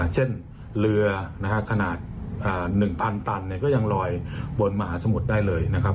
เช่นเรือขนาด๑๐๐ตันก็ยังลอยบนมหาสมุทรได้เลยนะครับ